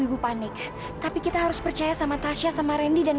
ya kita harus saling dukung